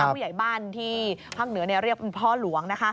ผู้ใหญ่บ้านที่ภาคเหนือเรียกพ่อหลวง